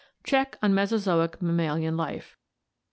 Check on Mesozoic Mammalian Life.